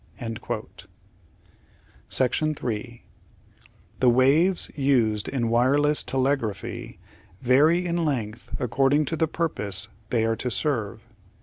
3 The waves used in wireless telegraphy vary in length accord ing to the purpose they are to serve.